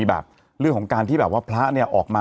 แต่อาจจะส่งมาแต่อาจจะส่งมา